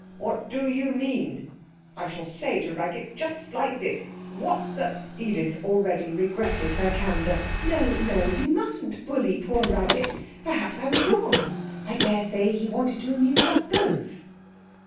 What do you mean?" I shall say to Raggett, just like this, "What the "' Edith already regretted her candour. 'No, no; you mustn't bully poor Raggett. Perhaps I was wrong. I daresay he wanted to amuse us both.'